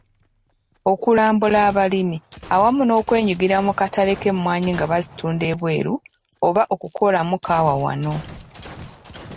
Okulambula abalimi awamu n’okwenyigira mu katale k’emmwanyi nga bazitunda ebweru oba okukolamu kkaawa wano.